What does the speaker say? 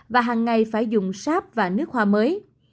và hàng ngày phải dùng sáp và nước hoa mới